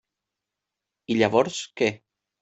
I llavors, què?